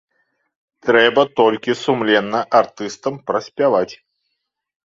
Трэба толькі сумленна артыстам праспяваць.